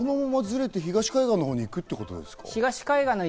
このままずれて東海岸のほうに行くんですか？